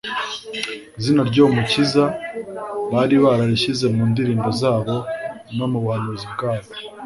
Izina ry'uwo Mukiza bari bararishyize mu ndirimbo zabo no mu buhanuzi bwabo,